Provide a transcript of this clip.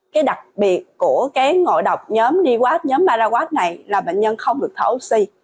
cái đặc biệt của ngộ độc nhóm di quát nhóm paraquat này là bệnh nhân không được thở oxy